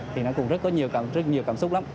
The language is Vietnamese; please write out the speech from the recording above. thì nó cũng rất nhiều cảm xúc lắm